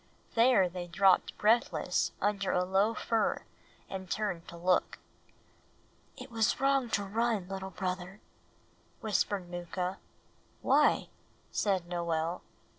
There they dropped breathless under a low fir and turned to look. "It was wrong to run, little brother," whispered Mooka. "Why?" said Noel.